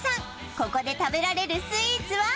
ここで食べられるスイーツは？